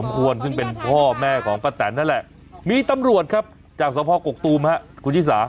ควรซึ่งเป็นพ่อแม่ของป้าแตนนั่นแหละมีตำรวจครับจากสภกกตูมฮะคุณชิสา